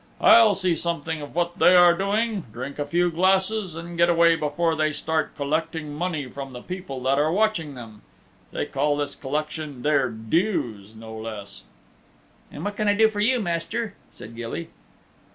I'll see something of what they are doing, drink a few glasses and get away before they start collecting money from the people that are watching them. They call this collection their dues, no less." "And what can I do for you, Master?" said Gilly.